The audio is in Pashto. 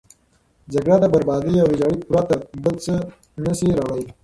جګړه د بربادي او ویجاړي پرته بل څه نه شي راوړی.